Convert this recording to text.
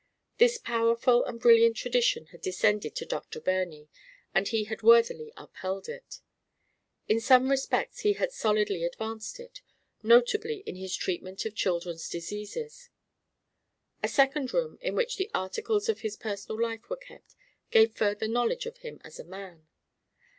This powerful and brilliant tradition had descended to Dr. Birney, and he had worthily upheld it. In some respects he had solidly advanced it, notably in his treatment of children's diseases. A second room, in which the articles of his personal life were kept, gave further knowledge of him as a man.